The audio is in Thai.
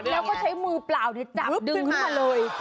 แล้วก็ใช้มือเปล่าเนี่ยจับดึงมาเลย